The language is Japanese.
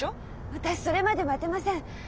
私それまで待てません。